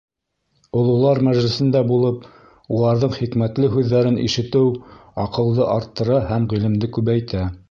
Ололар мәжлесендә булып, уларҙың хикмәтле һүҙҙәрен ишетеү аҡылды арттыра һәм ғилемде күбәйтә.